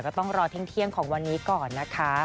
ก็ต้องรอเที่ยงของวันนี้ก่อนนะคะ